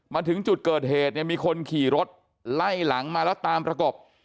มาถึงจุดเกิดเหตุเนี่ยมีคนขี่รถไล่หลังมาแล้วตามประกบ